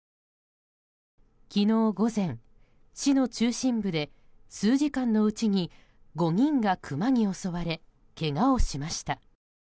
昨日午前、市の中心部で数時間のうちに５人がクマに襲われけがをしました。